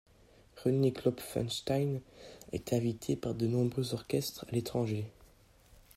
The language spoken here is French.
René Klopfenstein a été invité par de nombreux orchestres à l’étranger.